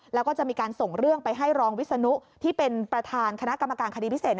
แล้วก็จะมีการส่งเรื่องไปให้รองวิศนุที่เป็นประธานคณะกรรมการคดีพิเศษ